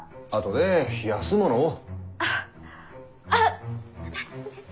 あっ大丈夫です。